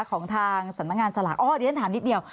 ของทางสำนักงานสลากอ้อเดี๋ยวฉันถามนิดเดียว